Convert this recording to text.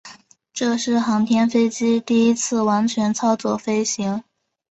这是航天飞机第一次完全操作飞行。